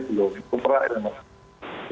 belum itu perlahan lahan